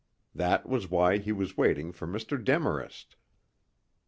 That was why he was waiting for Mr. Demarest.